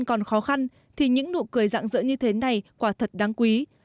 nhưng còn khó khăn thì những nụ cười dạng dỡ như thế này quả thật đáng quý